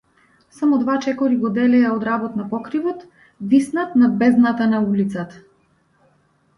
Само два чекори го делеа од работ на покривот виснат над бездната на улицата.